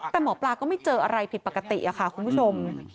แต่หมอปลาก็ไม่เจออะไรผิดปกติค่ะคุณผู้ชม